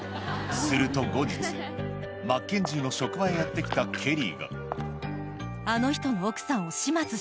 すると後日マッケンジーの職場へやって来たケリーがあなた。